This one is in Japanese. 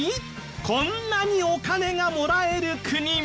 こんなにお金がもらえる国も。